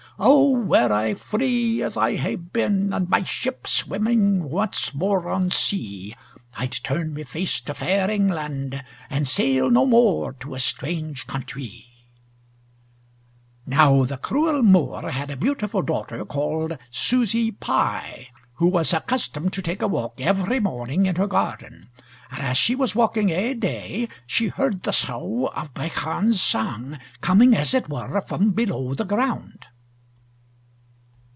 "O were I free as I hae been, And my ship swimming once more on sea, I'd turn my face to fair England, And sail no more to a strange countrie." "Now the cruel Moor had a beautiful daughter called Susy Pye, who was accustomed to take a walk every morning in her garden, and as she was walking ae day she heard the sough o' Beichan's sang, coming as it were from below the ground."